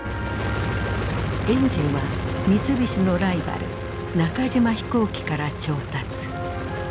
エンジンは三菱のライバル中島飛行機から調達。